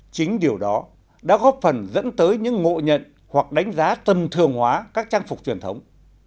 chính điều đó đã góp phần dẫn tới những ngộ nhận hoặc đánh giá tầm thường hóa các trang phục truyền thống